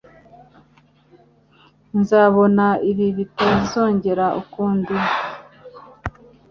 Nzabona ibi bitazongera ukundi.